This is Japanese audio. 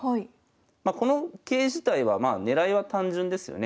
まこの桂自体は狙いは単純ですよね。